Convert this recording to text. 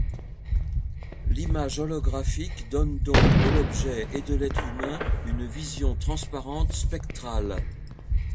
L'image holographique donne donc de l'objet et de l'être humain une vision transparente, spectrale.